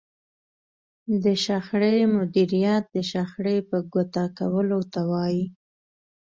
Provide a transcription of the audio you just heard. د شخړې مديريت د شخړې په ګوته کولو ته وايي.